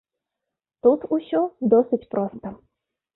Тут усё досыць проста.